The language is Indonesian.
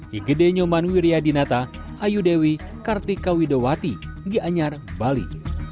di kedua tersangka ayu dewi kartika widowati di anjar bali